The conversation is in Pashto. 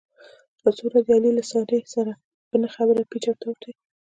دا څو ورځې علي له سارې سره په نه خبره پېچ او تاو دی.